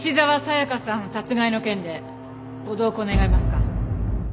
殺害の件でご同行願えますか？